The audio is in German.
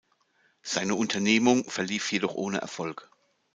Seine Unternehmung verlief jedoch ohne Erfolg.